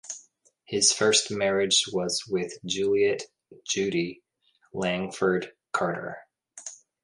His first marriage was with Juliet "Judy" Langford Carter.